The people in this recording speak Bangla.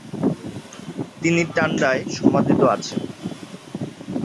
তিনি তান্ডায় সমাহিত আছেন।